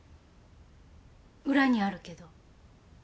裏にあるけど。